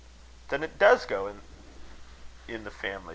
"Then it does go in the family!"